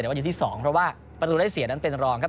แต่ว่าอยู่ที่๒เพราะว่าปฏิเสธนั้นเป็นรองครับ